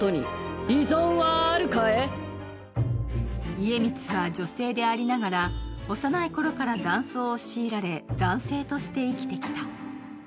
家光は女性でありながら幼いころから男装を強いられ男性として生きてきた。